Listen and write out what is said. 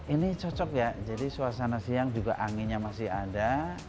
ini cocok ya jadi suasana siang juga anginnya masih ada